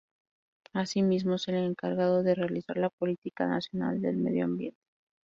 Asimismo, es el encargado de realizar la política nacional del medio ambiente.